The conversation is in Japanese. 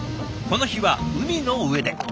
この日は海の上で。